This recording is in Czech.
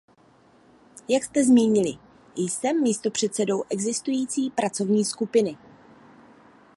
Jak jste zmínili, jsem místopředsedou existující pracovní skupiny.